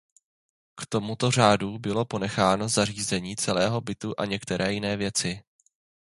K tomu řádu bylo ponecháno zařízení celého bytu a některé jiné věci.